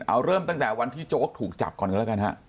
เอาเริ่มตั้งแต่วันที่โจ๊กถูกจับก่อนกันแล้วกันฮะ